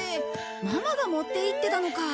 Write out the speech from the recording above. ママが持っていってたのか。